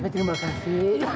tapi terima kasih